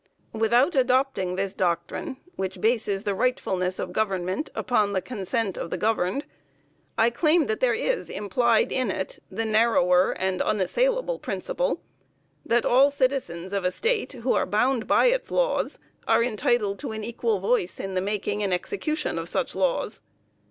Without adopting this doctrine which bases the rightfulness of government upon the consent of the governed, I claim that there is implied in it the narrower and unassailable principle that all citizens of a State, who are bound by its laws, are entitled to an equal voice in the making and execution of such laws.